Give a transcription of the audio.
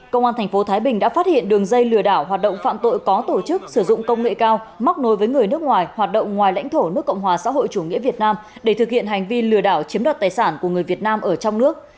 công an tp thái bình đã phát hiện đường dây lừa đảo hoạt động phạm tội có tổ chức sử dụng công nghệ cao móc nối với người nước ngoài hoạt động ngoài lãnh thổ nước cộng hòa xã hội chủ nghĩa việt nam để thực hiện hành vi lừa đảo chiếm đoạt tài sản của người việt nam ở trong nước